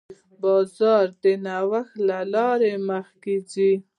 بازار د نوښت له لارې مخکې ځي.